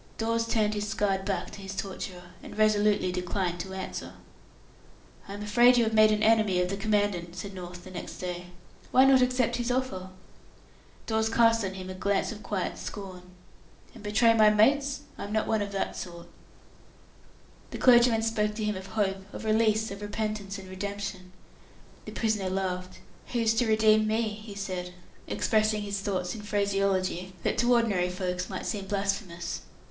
Dawes turned his scarred back to his torturer, and resolutely declined to answer. "I am afraid you have made an enemy of the Commandant," said North, the next day. "Why not accept his offer?" Dawes cast on him a glance of quiet scorn. "And betray my mates? I'm not one of that sort." The clergyman spoke to him of hope, of release, of repentance, and redemption. The prisoner laughed. "Who's to redeem me?" he said, expressing his thoughts in phraseology that to ordinary folks might seem blasphemous.